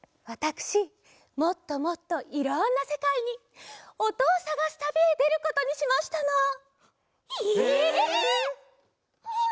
わたくしもっともっといろんなせかいにおとをさがすたびへでることにしましたの。